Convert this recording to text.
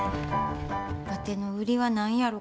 わての売りは何やろか？